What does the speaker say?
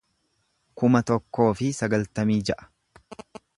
kuma tokkoo fi sagaltamii ja'a